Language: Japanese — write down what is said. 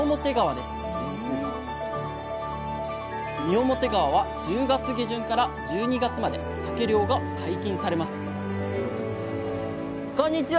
三面川は１０月下旬から１２月までさけ漁が解禁されますこんにちは。